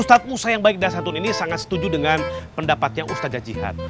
ustadz musa yang baik das hantun ini sangat setuju dengan pendapatnya ustadz jadjihad